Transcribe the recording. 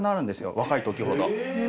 若いときほど。